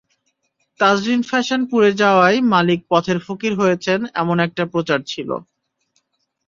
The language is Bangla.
তাজরীন ফ্যাশনস পুড়ে যাওয়ায় মালিক পথের ফকির হয়েছেন—এমন একটা প্রচার ছিল।